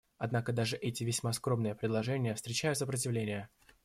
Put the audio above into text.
Однако даже эти весьма скромные предложения встречают сопротивление.